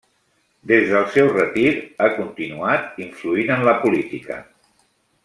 Des del seu retir, ha continuat influint en la política.